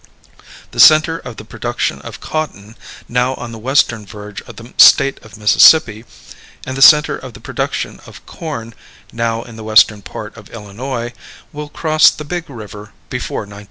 The center of the production of cotton, now on the western verge of the State of Mississippi, and the center of the production of corn, now in the western part of Illinois, will cross the big river before 1910.